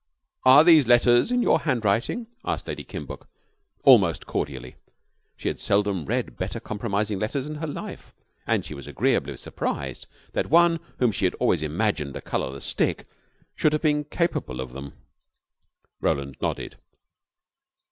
"Are these letters in your handwriting?" asked Lady Kimbuck, almost cordially. She had seldom read better compromising letters in her life, and she was agreeably surprized that one whom she had always imagined a colorless stick should have been capable of them. Roland nodded.